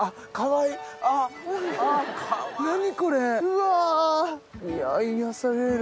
いや癒やされる。